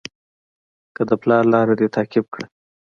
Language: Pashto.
که د پلار لاره دې تعقیب کړه.